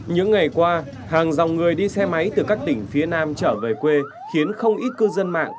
những ngày qua hàng dòng người đi xe máy từ các tỉnh phía nam trở về quê khiến không ít cư dân mạng